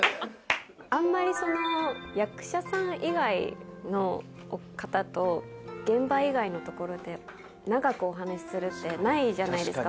あんまり役者さん以外の方と現場以外で長くお話しするってないじゃないですか。